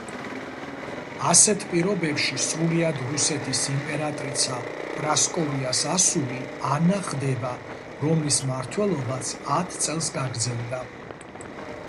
ასეთ პირობებში სრულიად რუსეთის იმპერატრიცა პრასკოვიას ასული, ანა ხდება, რომლის მმართველობაც ათ წელს გაგრძელდა.